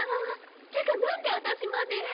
ってか何で私まで。